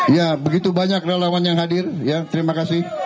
ya begitu banyak relawan yang hadir ya terima kasih